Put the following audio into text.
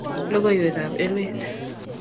logoiwek ab emet